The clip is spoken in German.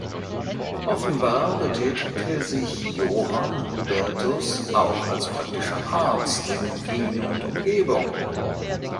Offenbar betätigte sich Johann Hubertus auch als praktischer Arzt in Wien und Umgebung.